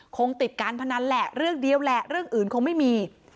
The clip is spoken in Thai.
คงติดการพนันแหละเรื่องเดียวแหละเรื่องอื่นคงไม่มี